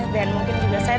dan mungkin juga saya juga